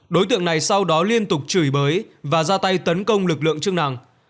đối tượng này sau đó liên tục chửi bới và ra tay tấn công lực lượng chức năng